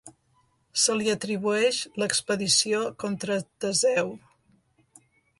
Se li atribueix l'expedició contra Teseu.